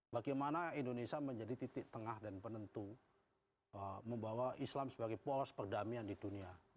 bagaimana indonesia menjadi titik tengah dan penentu membawa islam sebagai poros perdamaian di dunia